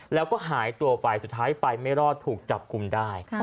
แล้วก็หายตัวไปสุดท้ายไปไม่รอดถูกจับกลุ่มได้